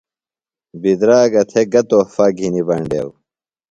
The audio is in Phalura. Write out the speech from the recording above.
بِدراگہ تھےۡ گہ تحفہ گِھنیۡ بینڈیوۡ۔